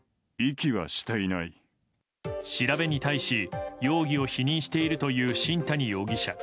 調べに対し、容疑を否認しているという新谷容疑者。